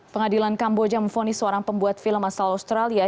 pengadilan kamboja memfonis seorang pembuat film asal australia